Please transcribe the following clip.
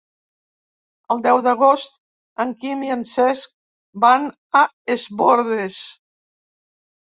El deu d'agost en Quim i en Cesc van a Es Bòrdes.